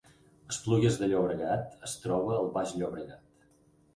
Esplugues de Llobregat es troba al Baix Llobregat